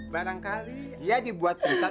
barangkali dia dibuat pingsan